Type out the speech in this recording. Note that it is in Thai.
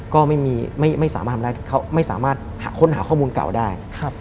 ก็ไม่สามารถค้นหาข้อมูลเก่าได้